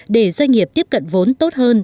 để doanh nghiệp tiếp cận vốn tốt hơn